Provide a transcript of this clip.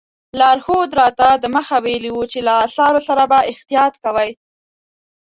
لارښود راته دمخه ویلي وو چې له اثارو سره به احتیاط کوئ.